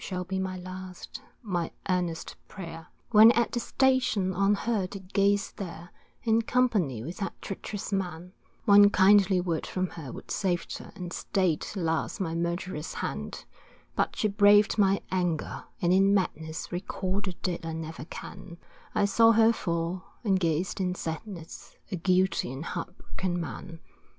Shall be my last, my earnest prayer. When at the station on her did gaze there, In company with that treacherous man, One kindly word from her would saved her And stay'd alas my murderous hand; But she braved my anger, and in madness, Recall the dead I never can, I saw her fall, and gazed in sadness, A guilty and heartbroken man.